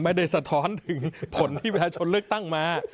ไม่ได้สะท้อนถึงผลที่ประชนเลือกตั้งมา